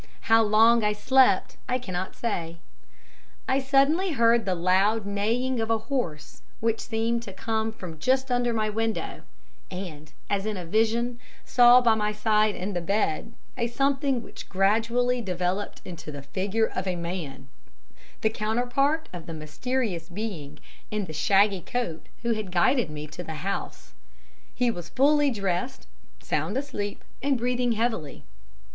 How long I slept I cannot say. I suddenly heard the loud neighing of a horse which seemed to come from just under my window, and, as in a vision, saw by my side in the bed a something which gradually developed into the figure of a man, the counterpart of the mysterious being in the shaggy coat who had guided me to the house. He was fully dressed, sound asleep and breathing heavily.